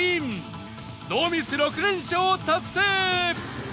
ノーミス６連勝達成！